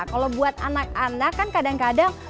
kalau buat anak anak kan kadang kadang